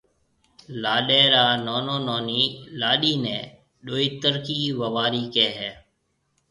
لاڏيَ را نونو نونِي لاڏيِ نَي ڏويترڪِي ووارِي ڪهيَ هيَ۔